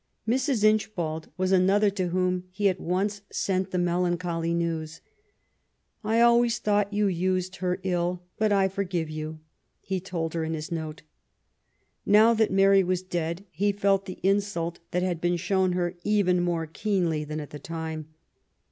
Mrs. Inchbald was another to whom he at once sent the melancholy news. *^ I always thought you used her ill, but I for give you," he told her in his note. Now that Mary was dead he felt the insult that had been shown her even more keenly than at the time.